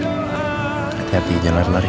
hati hati jangan lari lari